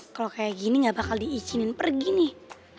kalo kayak gini gak bakal di izinin pergi nih